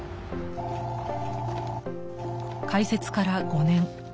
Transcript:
☎開設から５年